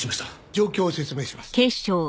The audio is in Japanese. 状況を説明します。